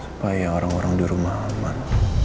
supaya orang orang di rumah aman